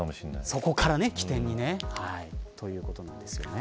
そこから起点にということですね。